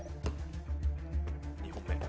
２本目。